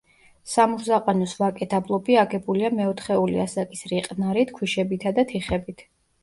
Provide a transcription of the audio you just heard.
სამურზაყანოს ვაკე-დაბლობი აგებულია მეოთხეული ასაკის რიყნარით, ქვიშებითა და თიხებით.